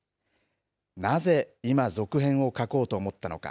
なぜ今、続編を書こうと思ったのか。